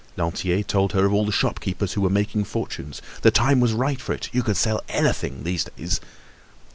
Lantier told her of all the shopkeepers who were making fortunes. The time was right for it; you could sell anything these days.